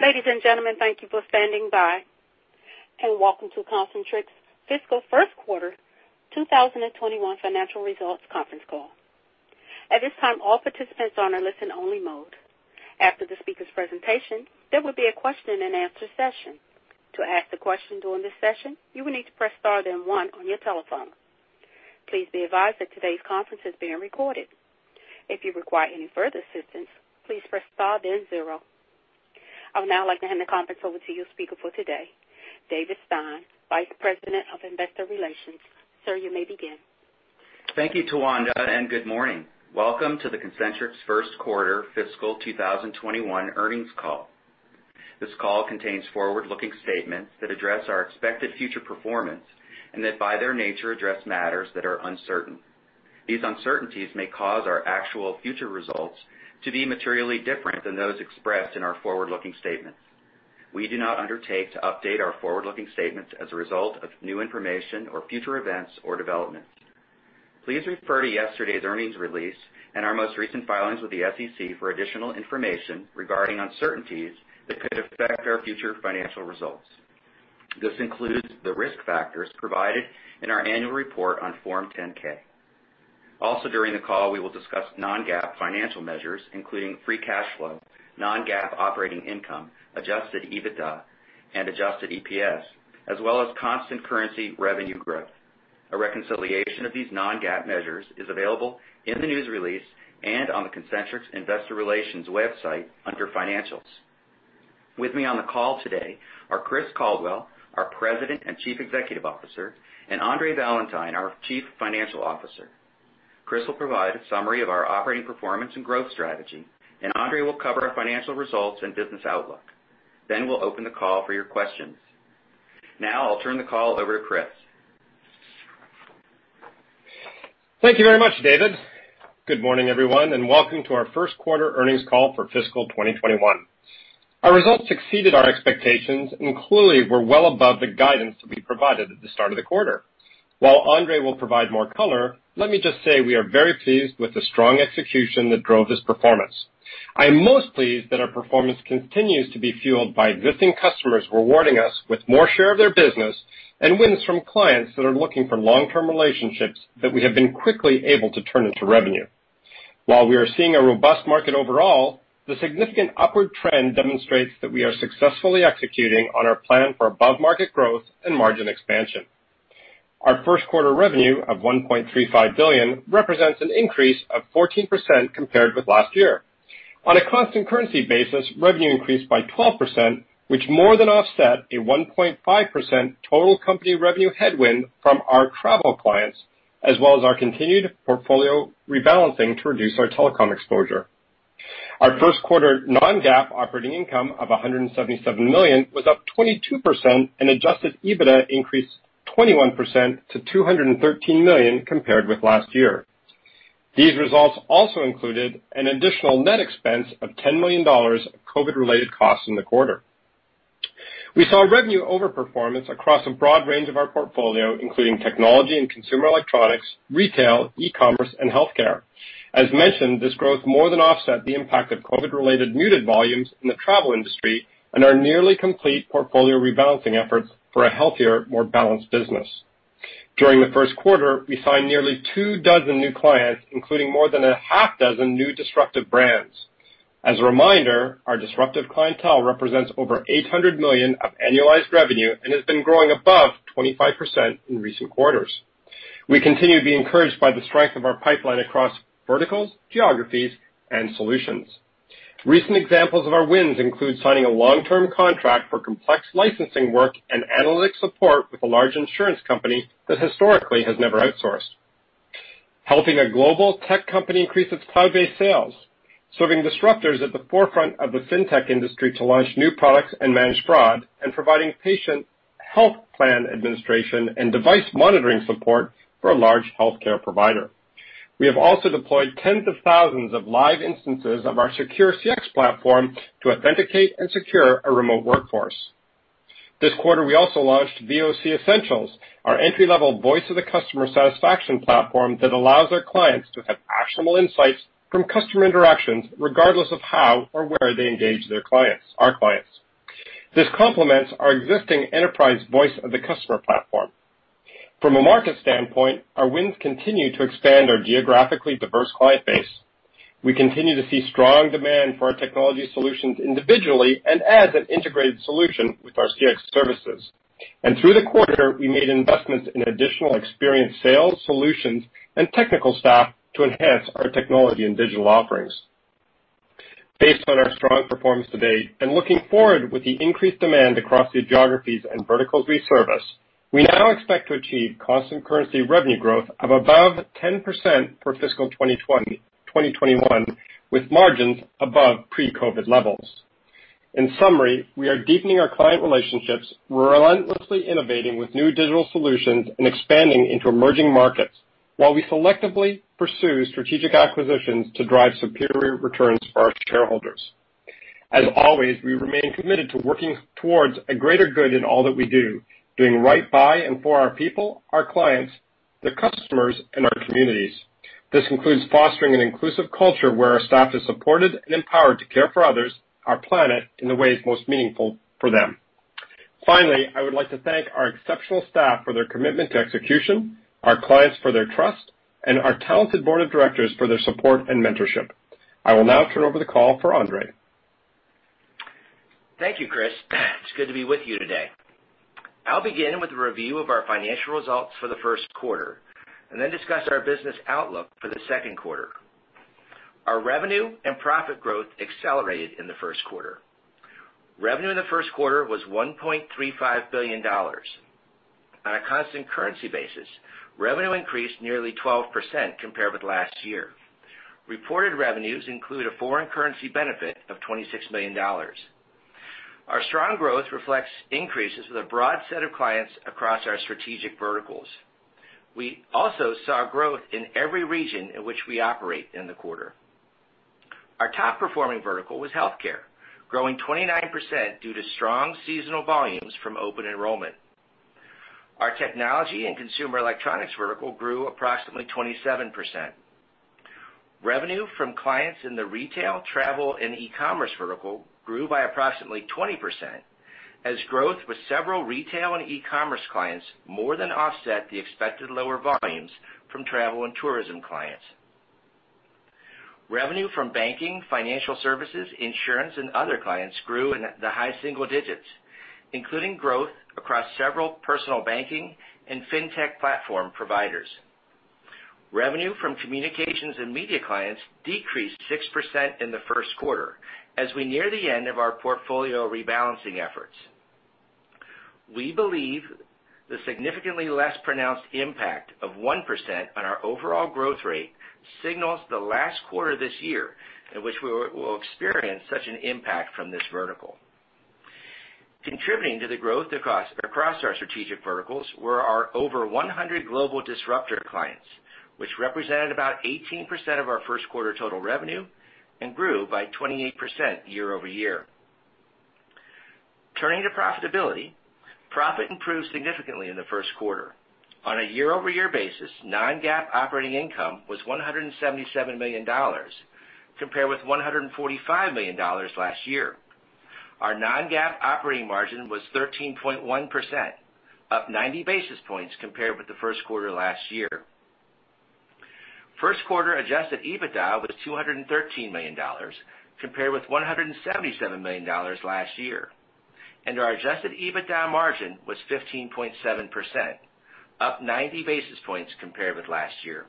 Ladies and gentlemen, thank you for standing by and welcome to Concentrix Fiscal First Quarter 2021 Financial Results Conference Call. At this time, all participants are on a listen-only mode. After the speaker's presentation, there will be a question-and-answer session. To ask a question during this session, you will need to press star then one on your telephone. Please be advised that today's conference is being recorded. If you require any further assistance, please press star then zero. I would now like to hand the conference over to your speaker for today, David Stein, Vice President of Investor Relations. Sir, you may begin. Thank you, Tawanda, and good morning. Welcome to the Concentrix First Quarter Fiscal 2021 Earnings Call. This call contains forward-looking statements that address our expected future performance and that, by their nature, address matters that are uncertain. These uncertainties may cause our actual future results to be materially different than those expressed in our forward-looking statements. We do not undertake to update our forward-looking statements as a result of new information or future events or developments. Please refer to yesterday's earnings release and our most recent filings with the SEC for additional information regarding uncertainties that could affect our future financial results. This includes the risk factors provided in our annual report on Form 10-K. Also, during the call, we will discuss non-GAAP financial measures, including free cash flow, non-GAAP operating income, Adjusted EBITDA, and Adjusted EPS, as well as constant currency revenue growth. A reconciliation of these non-GAAP measures is available in the news release and on the Concentrix Investor Relations website under Financials. With me on the call today are Chris Caldwell, our President and Chief Executive Officer, and Andre Valentine, our Chief Financial Officer. Chris will provide a summary of our operating performance and growth strategy, and Andre will cover our financial results and business outlook. Then we'll open the call for your questions. Now, I'll turn the call over to Chris. Thank you very much, David. Good morning, everyone, and welcome to our First Quarter Earnings Call for Fiscal 2021. Our results exceeded our expectations and clearly were well above the guidance that we provided at the start of the quarter. While Andre will provide more color, let me just say we are very pleased with the strong execution that drove this performance. I am most pleased that our performance continues to be fueled by existing customers rewarding us with more share of their business and wins from clients that are looking for long-term relationships that we have been quickly able to turn into revenue. While we are seeing a robust market overall, the significant upward trend demonstrates that we are successfully executing on our plan for above-market growth and margin expansion. Our first-quarter revenue of $1.35 billion represents an increase of 14% compared with last year. On a constant currency basis, revenue increased by 12%, which more than offset a 1.5% total company revenue headwind from our travel clients, as well as our continued portfolio rebalancing to reduce our telecom exposure. Our first-quarter non-GAAP operating income of $177 million was up 22%, and Adjusted EBITDA increased 21% to $213 million compared with last year. These results also included an additional net expense of $10 million of COVID-related costs in the quarter. We saw revenue overperformance across a broad range of our portfolio, including technology and consumer electronics, retail, e-commerce, and healthcare. As mentioned, this growth more than offset the impact of COVID-related muted volumes in the travel industry and our nearly complete portfolio rebalancing efforts for a healthier, more balanced business. During the first quarter, we signed nearly two dozen new clients, including more than a half dozen new disruptive brands. As a reminder, our disruptive clientele represents over $800 million of annualized revenue and has been growing above 25% in recent quarters. We continue to be encouraged by the strength of our pipeline across verticals, geographies, and solutions. Recent examples of our wins include signing a long-term contract for complex licensing work and analytic support with a large insurance company that historically has never outsourced, helping a global tech company increase its cloud-based sales, serving disruptors at the forefront of the fintech industry to launch new products and manage fraud, and providing patient health plan administration and device monitoring support for a large healthcare provider. We have also deployed tens of thousands of live instances of our SecureCX platform to authenticate and secure a remote workforce. This quarter, we also launched VOC Essentials, our entry-level voice of the customer satisfaction platform that allows our clients to have actionable insights from customer interactions, regardless of how or where they engage our clients. This complements our existing enterprise voice of the customer platform. From a market standpoint, our wins continue to expand our geographically diverse client base. We continue to see strong demand for our technology solutions individually and as an integrated solution with our CX services. And through the quarter, we made investments in additional experienced sales solutions and technical staff to enhance our technology and digital offerings. Based on our strong performance today and looking forward with the increased demand across the geographies and verticals we service, we now expect to achieve constant currency revenue growth of above 10% for fiscal 2021, with margins above pre-COVID levels. In summary, we are deepening our client relationships, relentlessly innovating with new digital solutions, and expanding into emerging markets while we selectively pursue strategic acquisitions to drive superior returns for our shareholders. As always, we remain committed to working towards a greater good in all that we do, doing right by and for our people, our clients, the customers, and our communities. This includes fostering an inclusive culture where our staff is supported and empowered to care for others, our planet, in the ways most meaningful for them. Finally, I would like to thank our exceptional staff for their commitment to execution, our clients for their trust, and our talented board of directors for their support and mentorship. I will now turn over the call for Andre. Thank you, Chris. It's good to be with you today. I'll begin with a review of our financial results for the first quarter and then discuss our business outlook for the second quarter. Our revenue and profit growth accelerated in the first quarter. Revenue in the first quarter was $1.35 billion. On a constant currency basis, revenue increased nearly 12% compared with last year. Reported revenues include a foreign currency benefit of $26 million. Our strong growth reflects increases with a broad set of clients across our strategic verticals. We also saw growth in every region in which we operate in the quarter. Our top-performing vertical was healthcare, growing 29% due to strong seasonal volumes from open enrollment. Our technology and consumer electronics vertical grew approximately 27%. Revenue from clients in the retail, travel, and e-commerce vertical grew by approximately 20%, as growth with several retail and e-commerce clients more than offset the expected lower volumes from travel and tourism clients. Revenue from banking, financial services, insurance, and other clients grew in the high single digits, including growth across several personal banking and fintech platform providers. Revenue from communications and media clients decreased 6% in the first quarter as we near the end of our portfolio rebalancing efforts. We believe the significantly less pronounced impact of 1% on our overall growth rate signals the last quarter of this year in which we will experience such an impact from this vertical. Contributing to the growth across our strategic verticals were our over 100 global disruptor clients, which represented about 18% of our first-quarter total revenue and grew by 28% year over year. Turning to profitability, profit improved significantly in the first quarter. On a year-over-year basis, non-GAAP operating income was $177 million, compared with $145 million last year. Our non-GAAP operating margin was 13.1%, up 90 basis points compared with the first quarter last year. First-quarter Adjusted EBITDA was $213 million, compared with $177 million last year, and our Adjusted EBITDA margin was 15.7%, up 90 basis points compared with last year.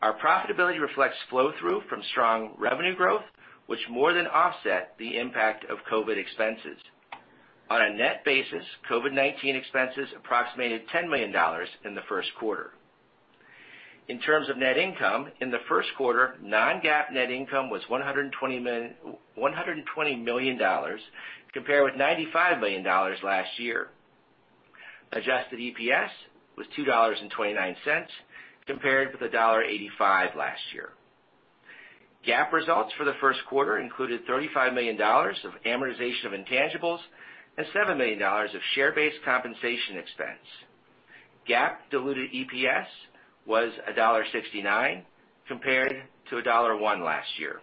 Our profitability reflects flow-through from strong revenue growth, which more than offset the impact of COVID-19 expenses. On a net basis, COVID-19 expenses approximated $10 million in the first quarter. In terms of net income, in the first quarter, non-GAAP net income was $120 million compared with $95 million last year. Adjusted EPS was $2.29 compared with $1.85 last year. GAAP results for the first quarter included $35 million of amortization of intangibles and $7 million of share-based compensation expense. GAAP diluted EPS was $1.69 compared to $1.01 last year.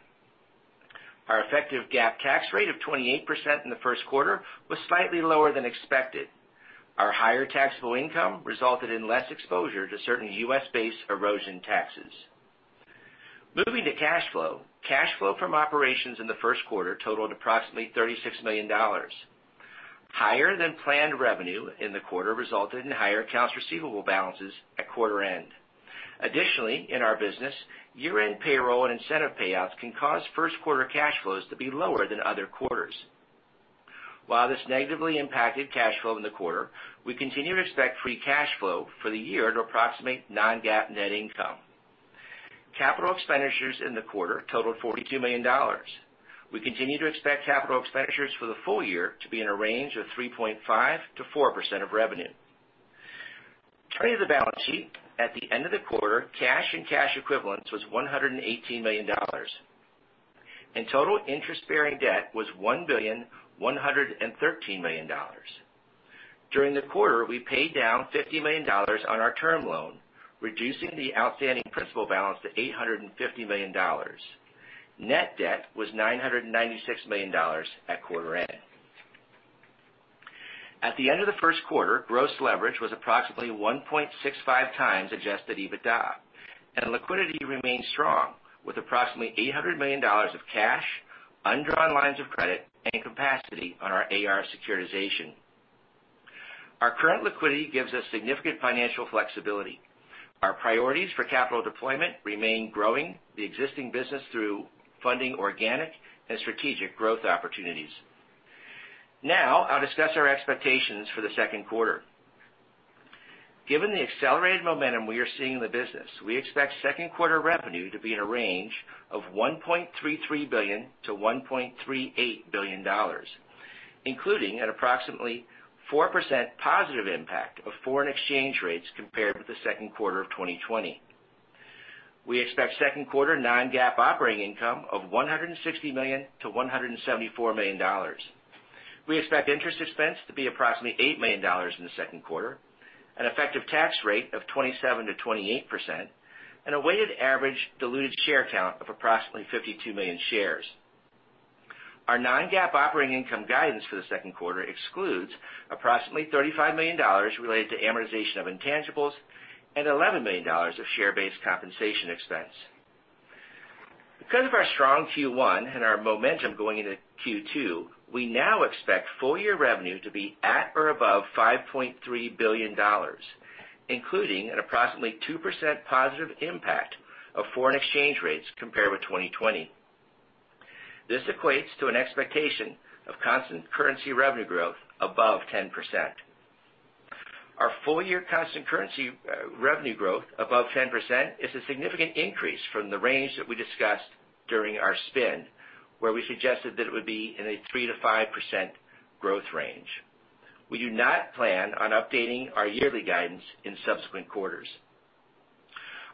Our effective GAAP tax rate of 28% in the first quarter was slightly lower than expected. Our higher taxable income resulted in less exposure to certain U.S.-based erosion taxes. Moving to cash flow, cash flow from operations in the first quarter totaled approximately $36 million. Higher than planned revenue in the quarter resulted in higher accounts receivable balances at quarter end. Additionally, in our business, year-end payroll and incentive payouts can cause first-quarter cash flows to be lower than other quarters. While this negatively impacted cash flow in the quarter, we continue to expect free cash flow for the year to approximate non-GAAP net income. Capital expenditures in the quarter totaled $42 million. We continue to expect capital expenditures for the full year to be in a range of 3.5%-4% of revenue. Turning to the balance sheet, at the end of the quarter, cash and cash equivalents was $118 million. In total, interest-bearing debt was $1,113 million. During the quarter, we paid down $50 million on our term loan, reducing the outstanding principal balance to $850 million. Net debt was $996 million at quarter end. At the end of the first quarter, gross leverage was approximately 1.65 times Adjusted EBITDA, and liquidity remained strong with approximately $800 million of cash, undrawn lines of credit, and capacity on our AR securitization. Our current liquidity gives us significant financial flexibility. Our priorities for capital deployment remain growing the existing business through funding organic and strategic growth opportunities. Now, I'll discuss our expectations for the second quarter. Given the accelerated momentum we are seeing in the business, we expect second-quarter revenue to be in a range of $1.33 billion-$1.38 billion, including an approximately 4% positive impact of foreign exchange rates compared with the second quarter of 2020. We expect second-quarter non-GAAP operating income of $160 million-$174 million. We expect interest expense to be approximately $8 million in the second quarter, an effective tax rate of 27%-28%, and a weighted average diluted share count of approximately 52 million shares. Our non-GAAP operating income guidance for the second quarter excludes approximately $35 million related to amortization of intangibles and $11 million of share-based compensation expense. Because of our strong Q1 and our momentum going into Q2, we now expect full-year revenue to be at or above $5.3 billion, including an approximately 2% positive impact of foreign exchange rates compared with 2020. This equates to an expectation of constant currency revenue growth above 10%. Our full-year constant currency revenue growth above 10% is a significant increase from the range that we discussed during our spin, where we suggested that it would be in a 3%-5% growth range. We do not plan on updating our yearly guidance in subsequent quarters.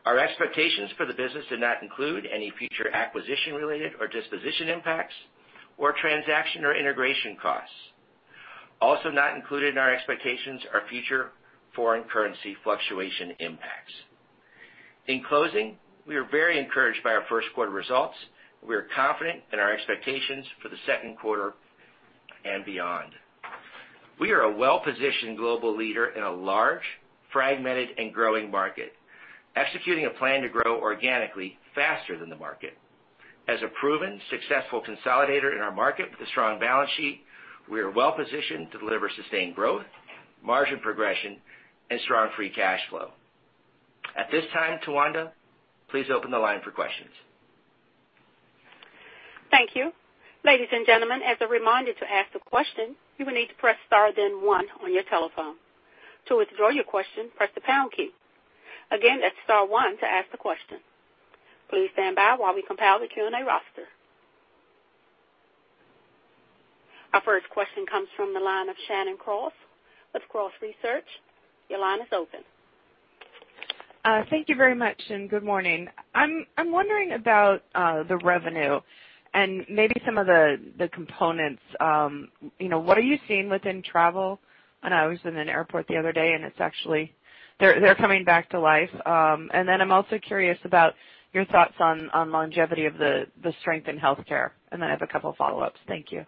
Our expectations for the business do not include any future acquisition-related or disposition impacts or transaction or integration costs. Also not included in our expectations are future foreign currency fluctuation impacts. In closing, we are very encouraged by our first-quarter results. We are confident in our expectations for the second quarter and beyond. We are a well-positioned global leader in a large, fragmented, and growing market, executing a plan to grow organically faster than the market. As a proven, successful consolidator in our market with a strong balance sheet, we are well-positioned to deliver sustained growth, margin progression, and strong free cash flow. At this time, Tawanda, please open the line for questions. Thank you. Ladies and gentlemen, as a reminder to ask the question, you will need to press star then one on your telephone. To withdraw your question, press the pound key. Again, that's star one to ask the question. Please stand by while we compile the Q&A roster. Our first question comes from the line of Shannon Cross. That's Cross Research. Your line is open. Thank you very much and good morning. I'm wondering about the revenue and maybe some of the components. What are you seeing within travel? I was in an airport the other day, and it's actually, they're coming back to life. And then I'm also curious about your thoughts on longevity of the strength in healthcare. And then I have a couple of follow-ups. Thank you.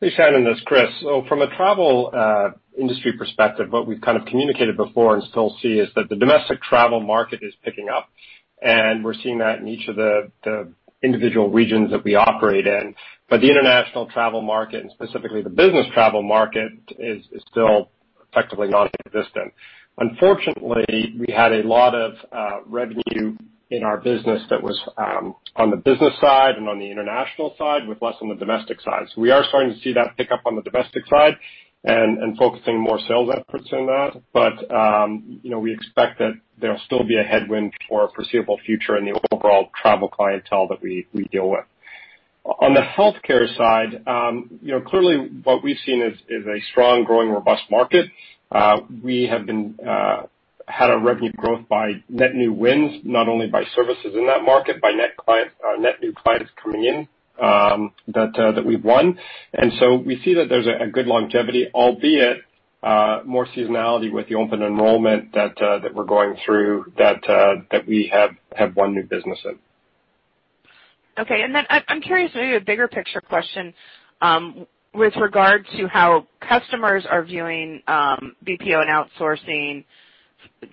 Hey, Shannon, that's Chris. So from a travel industry perspective, what we've kind of communicated before and still see is that the domestic travel market is picking up, and we're seeing that in each of the individual regions that we operate in. But the international travel market, and specifically the business travel market, is still effectively non-existent. Unfortunately, we had a lot of revenue in our business that was on the business side and on the international side with less on the domestic side. So we are starting to see that pick up on the domestic side and focusing more sales efforts in that. But we expect that there'll still be a headwind for a foreseeable future in the overall travel clientele that we deal with. On the healthcare side, clearly what we've seen is a strong, growing, robust market. We have had a revenue growth by net new wins, not only by services in that market, by net new clients coming in that we've won, and so we see that there's a good longevity, albeit more seasonality with the open enrollment that we're going through that we have one new business in. Okay. And then I'm curious, maybe a bigger picture question with regard to how customers are viewing BPO and outsourcing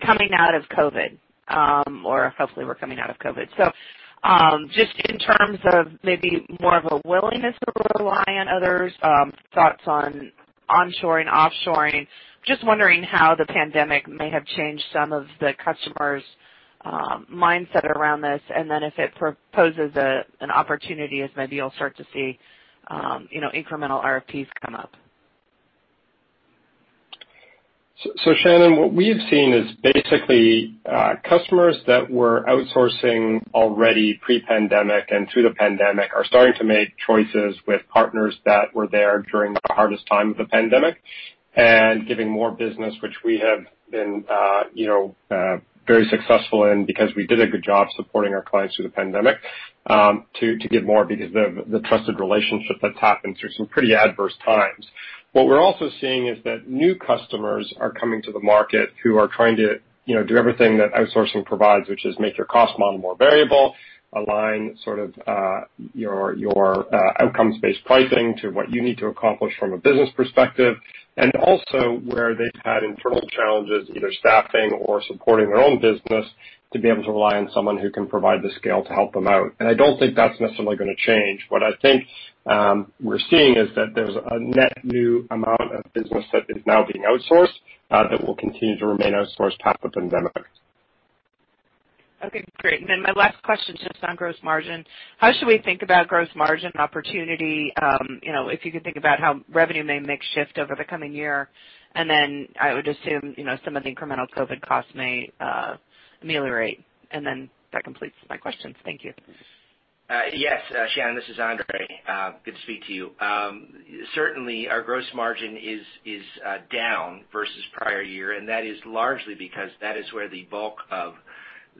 coming out of COVID, or hopefully we're coming out of COVID. So just in terms of maybe more of a willingness to rely on others, thoughts on onshoring, offshoring, just wondering how the pandemic may have changed some of the customers' mindset around this, and then if it poses an opportunity as maybe you'll start to see incremental RFPs come up. Shannon, what we've seen is basically customers that were outsourcing already pre-pandemic and through the pandemic are starting to make choices with partners that were there during the hardest time of the pandemic and giving more business, which we have been very successful in because we did a good job supporting our clients through the pandemic, to give more because of the trusted relationship that's happened through some pretty adverse times. What we're also seeing is that new customers are coming to the market who are trying to do everything that outsourcing provides, which is make your cost model more variable, align sort of your outcomes-based pricing to what you need to accomplish from a business perspective, and also where they've had internal challenges, either staffing or supporting their own business, to be able to rely on someone who can provide the scale to help them out. I don't think that's necessarily going to change. What I think we're seeing is that there's a net new amount of business that is now being outsourced that will continue to remain outsourced past the pandemic. Okay. Great. And then my last question just on gross margin. How should we think about gross margin opportunity if you can think about how revenue may mix shift over the coming year? And then I would assume some of the incremental COVID costs may ameliorate. And then that completes my questions. Thank you. Yes, Shannon, this is Andre. Good to speak to you. Certainly, our gross margin is down versus prior year, and that is largely because that is where the bulk of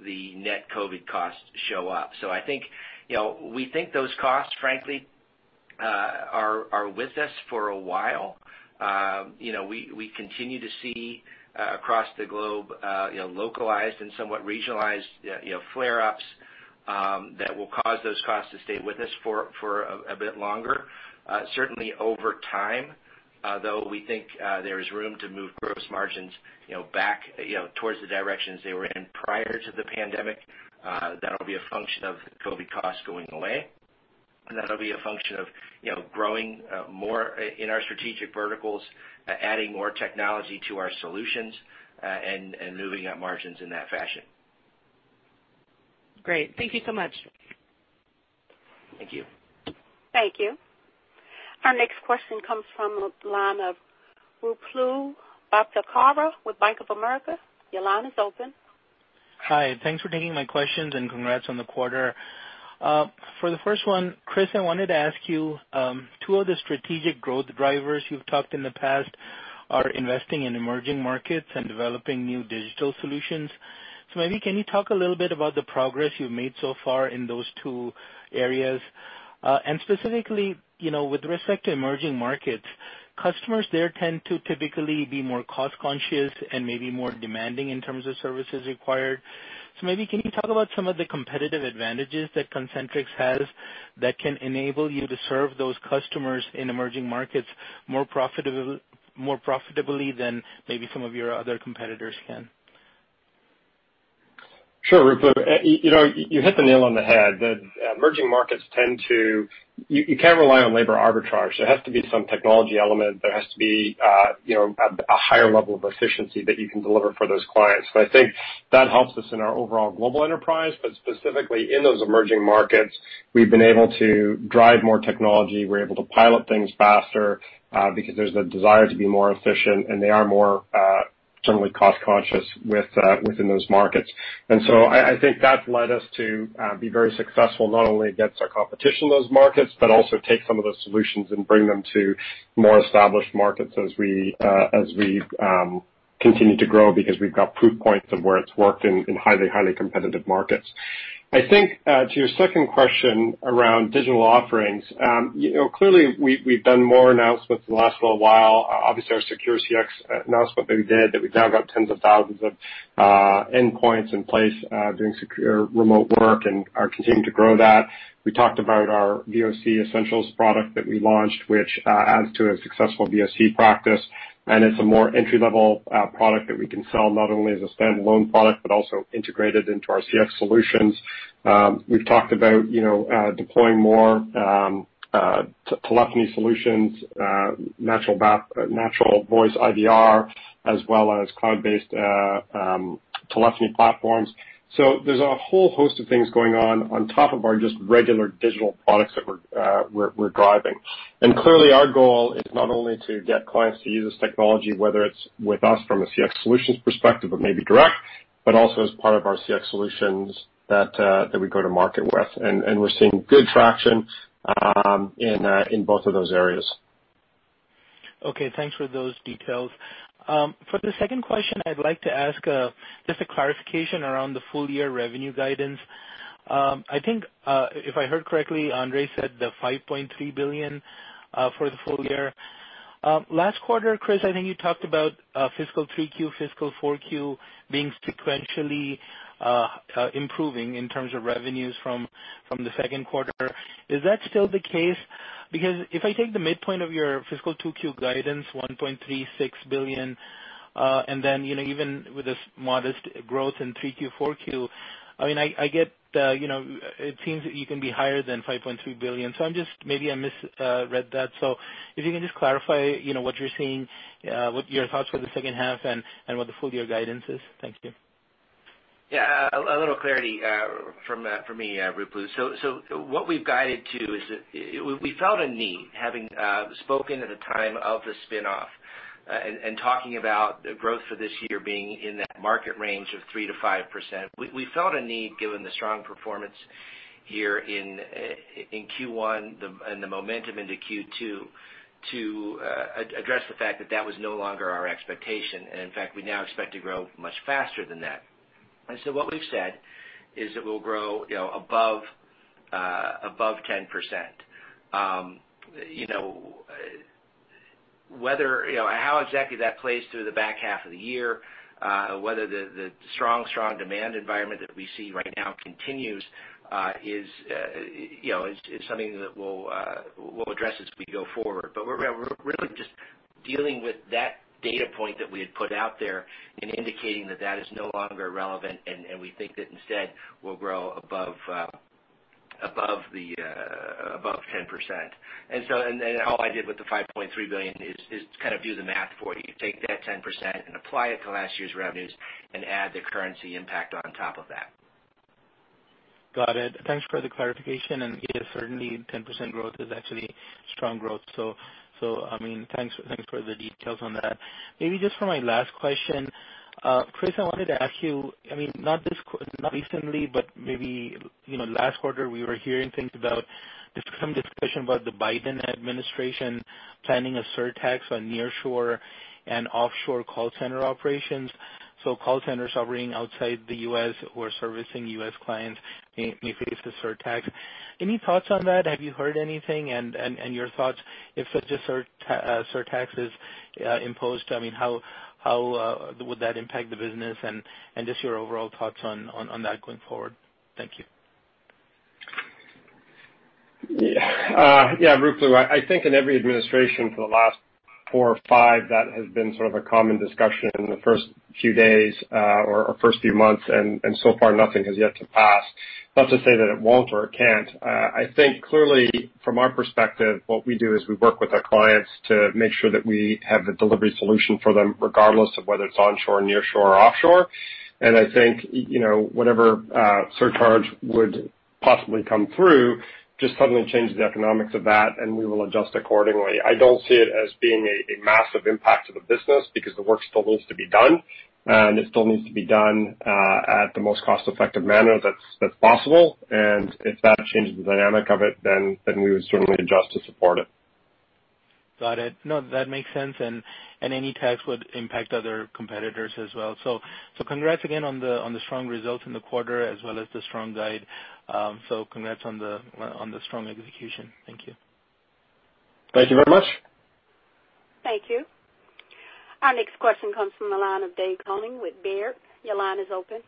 the net COVID costs show up. So I think we think those costs, frankly, are with us for a while. We continue to see across the globe localized and somewhat regionalized flare-ups that will cause those costs to stay with us for a bit longer. Certainly, over time, though, we think there is room to move gross margins back towards the directions they were in prior to the pandemic. That'll be a function of COVID costs going away. That'll be a function of growing more in our strategic verticals, adding more technology to our solutions, and moving up margins in that fashion. Great. Thank you so much. Thank you. Thank you. Our next question comes from the line of Ruplu Bhattacharya with Bank of America. Your line is open. Hi. Thanks for taking my questions and congrats on the quarter. For the first one, Chris, I wanted to ask you, two of the strategic growth drivers you've talked in the past are investing in emerging markets and developing new digital solutions. So maybe can you talk a little bit about the progress you've made so far in those two areas? And specifically, with respect to emerging markets, customers there tend to typically be more cost-conscious and maybe more demanding in terms of services required. So maybe can you talk about some of the competitive advantages that Concentrix has that can enable you to serve those customers in emerging markets more profitably than maybe some of your other competitors can? Sure, Ruplu. You hit the nail on the head. Emerging markets tend to. You can't rely on labor arbitrage. There has to be some technology element. There has to be a higher level of efficiency that you can deliver for those clients. So I think that helps us in our overall global enterprise, but specifically in those emerging markets, we've been able to drive more technology. We're able to pilot things faster because there's a desire to be more efficient, and they are more generally cost-conscious within those markets. And so I think that's led us to be very successful not only against our competition in those markets, but also take some of those solutions and bring them to more established markets as we continue to grow because we've got proof points of where it's worked in highly, highly competitive markets. I think to your second question around digital offerings, clearly we've done more announcements in the last little while. Obviously, our SecureCX announcement that we did, that we've now got tens of thousands of endpoints in place doing remote work and are continuing to grow that. We talked about our VOC Essentials product that we launched, which adds to a successful VOC practice, and it's a more entry-level product that we can sell not only as a standalone product, but also integrated into our CX solutions. We've talked about deploying more telephony solutions, natural voice IVR, as well as cloud-based telephony platforms, so there's a whole host of things going on on top of our just regular digital products that we're driving. Clearly, our goal is not only to get clients to use this technology, whether it's with us from a CX solutions perspective, but maybe direct, but also as part of our CX solutions that we go to market with. And we're seeing good traction in both of those areas. Okay. Thanks for those details. For the second question, I'd like to ask just a clarification around the full-year revenue guidance. I think if I heard correctly, Andre said the $5.3 billion for the full year. Last quarter, Chris, I think you talked about fiscal 3Q, fiscal 4Q being sequentially improving in terms of revenues from the second quarter. Is that still the case? Because if I take the midpoint of your fiscal 2Q guidance, $1.36 billion, and then even with this modest growth in 3Q, 4Q, I mean, I get it seems you can be higher than $5.3 billion. So maybe I misread that. So if you can just clarify what you're seeing, what your thoughts for the second half and what the full-year guidance is. Thank you. Yeah. A little clarity from me, Ruplu. So what we've guided to is that we felt a need having spoken at the time of the spinoff and talking about growth for this year being in that market range of 3%-5%. We felt a need given the strong performance here in Q1 and the momentum into Q2 to address the fact that that was no longer our expectation. And in fact, we now expect to grow much faster than that. And so what we've said is that we'll grow above 10%. How exactly that plays through the back half of the year, whether the strong, strong demand environment that we see right now continues, is something that we'll address as we go forward. But we're really just dealing with that data point that we had put out there and indicating that that is no longer relevant, and we think that instead we'll grow above 10%. And all I did with the $5.3 billion is kind of do the math for you. Take that 10% and apply it to last year's revenues and add the currency impact on top of that. Got it. Thanks for the clarification. And yeah, certainly 10% growth is actually strong growth. So I mean, thanks for the details on that. Maybe just for my last question, Chris, I wanted to ask you. I mean, not recently, but maybe last quarter, we were hearing some discussion about the Biden administration planning a surtax on nearshore and offshore call center operations. So call centers operating outside the U.S. who are servicing U.S. clients may face the surtax. Any thoughts on that? Have you heard anything? And your thoughts, if such a surtax is imposed, I mean, how would that impact the business and just your overall thoughts on that going forward? Thank you. Yeah. Ruplu, I think in every administration for the last four or five, that has been sort of a common discussion in the first few days or first few months, and so far nothing has yet to pass. Not to say that it won't or it can't. I think clearly from our perspective, what we do is we work with our clients to make sure that we have the delivery solution for them regardless of whether it's onshore, nearshore, or offshore. And I think whatever surcharge would possibly come through just suddenly changes the economics of that, and we will adjust accordingly. I don't see it as being a massive impact to the business because the work still needs to be done, and it still needs to be done at the most cost-effective manner that's possible. And if that changes the dynamic of it, then we would certainly adjust to support it. Got it. No, that makes sense. And any tax would impact other competitors as well. So congrats again on the strong results in the quarter as well as the strong guide. So congrats on the strong execution. Thank you. Thank you very much. Thank you. Our next question comes from the line of David Koning with Baird. Your line is open.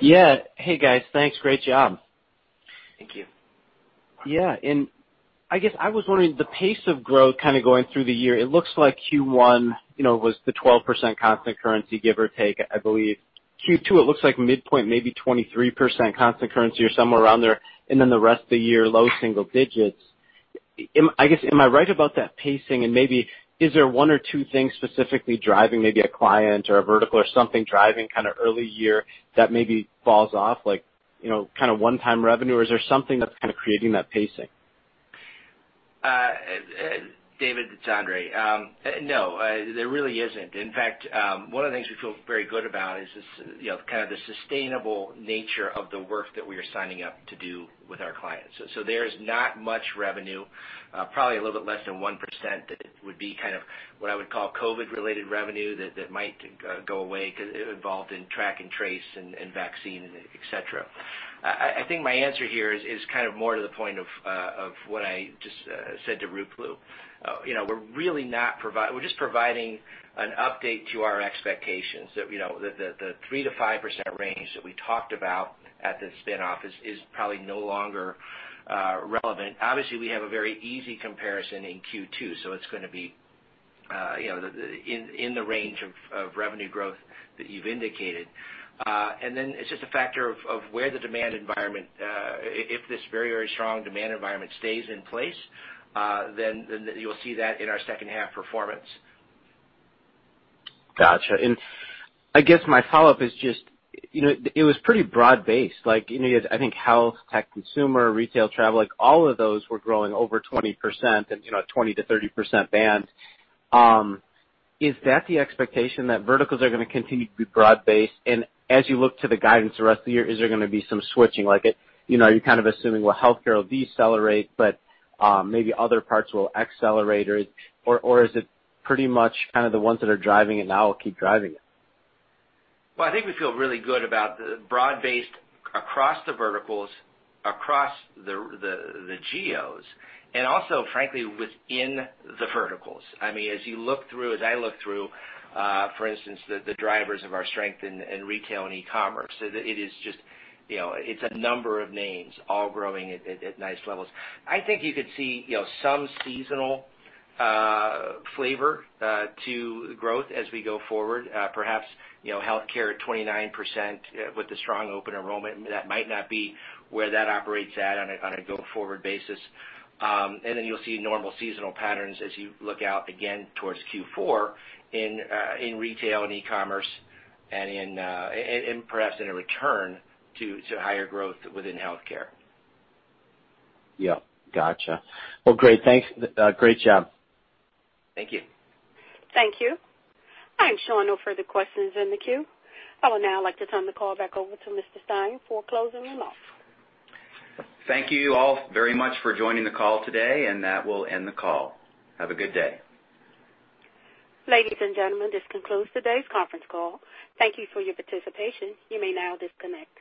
Yeah. Hey, guys. Thanks. Great job. Thank you. Yeah. And I guess I was wondering, the pace of growth kind of going through the year. It looks like Q1 was the 12% constant currency, give or take, I believe. Q2, it looks like midpoint, maybe 23% constant currency or somewhere around there, and then the rest of the year, low single digits. I guess, am I right about that pacing? And maybe is there one or two things specifically driving maybe a client or a vertical or something driving kind of early year that maybe falls off, like kind of one-time revenue? Or is there something that's kind of creating that pacing? David, it's Andre. No. There really isn't. In fact, one of the things we feel very good about is kind of the sustainable nature of the work that we are signing up to do with our clients. So there is not much revenue, probably a little bit less than 1% that would be kind of what I would call COVID-related revenue that might go away because it involved in track and trace and vaccine, etc. I think my answer here is kind of more to the point of what I just said to Ruplu. We're really not providing; we're just providing an update to our expectations that the 3%-5% range that we talked about at the spinoff is probably no longer relevant. Obviously, we have a very easy comparison in Q2, so it's going to be in the range of revenue growth that you've indicated. And then it's just a factor of where the demand environment, if this very, very strong demand environment stays in place, then you'll see that in our second-half performance. Gotcha. And I guess my follow-up is just it was pretty broad-based. I think health, tech, consumer, retail, travel, all of those were growing over 20%, a 20%-30% band. Is that the expectation that verticals are going to continue to be broad-based? And as you look to the guidance for the rest of the year, is there going to be some switching? Are you kind of assuming, well, healthcare will decelerate, but maybe other parts will accelerate? Or is it pretty much kind of the ones that are driving it now will keep driving it? I think we feel really good about the broad-based across the verticals, across the geos, and also, frankly, within the verticals. I mean, as you look through, as I look through, for instance, the drivers of our strength in retail and e-commerce, it is just, it's a number of names all growing at nice levels. I think you could see some seasonal flavor to growth as we go forward. Perhaps healthcare at 29% with the strong open enrollment. That might not be where that operates at on a go-forward basis. And then you'll see normal seasonal patterns as you look out again towards Q4 in retail and e-commerce and perhaps in a return to higher growth within healthcare. Yeah. Gotcha. Well, great. Thanks. Great job. Thank you. Thank you. I'm sure there are no further questions in the queue. I would now like to turn the call back over to Mr. Stein for closing remarks. Thank you all very much for joining the call today, and that will end the call. Have a good day. Ladies and gentlemen, this concludes today's conference call. Thank you for your participation. You may now disconnect.